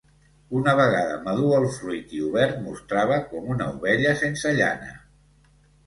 Una vegada madur el fruit i obert mostrava com una ovella sense llana.